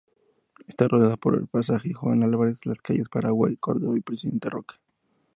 Está rodeada por el Pasaje Juan Álvarez, las calles Paraguay, Córdoba y Presidente Roca.